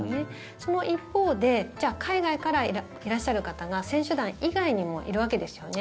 その一方でじゃあ海外からいらっしゃる方が選手団以外にもいるわけですよね。